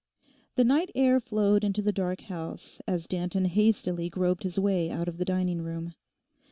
The night air flowed into the dark house as Danton hastily groped his way out of the dining room.